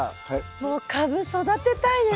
もうカブ育てたいですね。